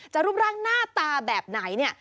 รูปร่างหน้าตาแบบไหนเนี่ย